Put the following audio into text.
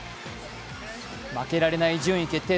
負けられない順位決定